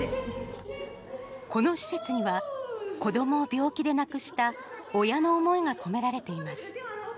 この施設には、子どもを病気で亡くした親の思いが込められています。